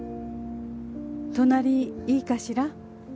隣いいかしら？